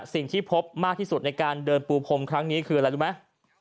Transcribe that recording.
สิ่งที่พบมากที่สุดในการเดินปูพรมครั้งนี้คืออะไรรู้ไหม